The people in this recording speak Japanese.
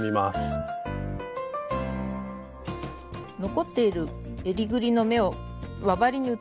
残っているえりぐりの目を輪針に移します。